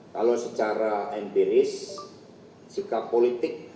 kalau secara empiris sikap politik